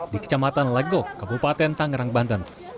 di kecamatan legok kabupaten tangerang banten